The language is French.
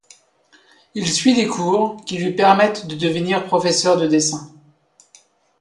Il suit des cours qui lui permettent de devenir professeur de dessin.